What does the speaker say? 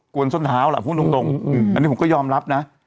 วนส้นเท้าล่ะพูดตรงอันนี้ผมก็ยอมรับนะ